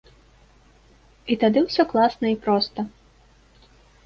І тады ўсё класна і проста.